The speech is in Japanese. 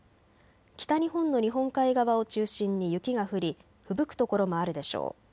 北日本の日本海側を中心に雪が降り、ふぶく所もあるでしょう。